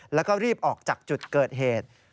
แล้วก็รีบออกจากจุดเกิดเหตุ